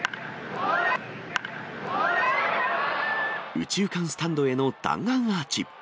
右中間スタンドへの弾丸アーチ。